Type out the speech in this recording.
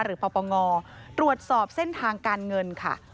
ปปงตรวจสอบเส้นทางการเงินค่ะ